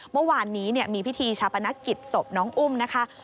เมื่อวานนี้มีพิธีชาปนกิจศพน้องอุ้มนะคะ